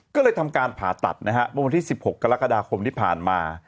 ก็เลยทำการผ่าตัดนะฮะเมื่อวันที่๑๖กรกฎาคมที่ผ่านมา